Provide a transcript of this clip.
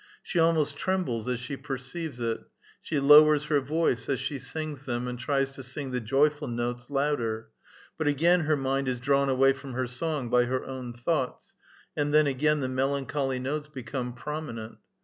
She almost trembles as she perceives it ; she lowers her voice as she sings them, and tries to sing the joyful notes louder ; but again her mind is drawn away from her song by her own thoughts, and tben again the melancholy notes become prominent.